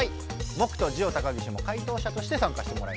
モクとジオ高岸も回答しゃとしてさんかしてもらいます。